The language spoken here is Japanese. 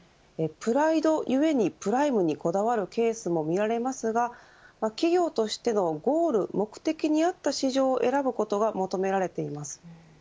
プライドゆえにプライムにこだわるケースもみられますが企業としてのゴール目的にあった市場を選ぶことが求められています。